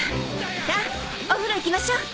さあお風呂行きましょう。